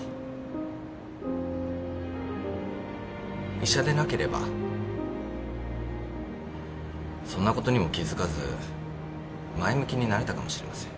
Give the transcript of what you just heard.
医者でなければそんなことにも気付かず前向きになれたかもしれません。